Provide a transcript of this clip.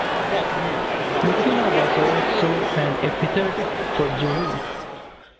Lucina was also an epithet for Juno.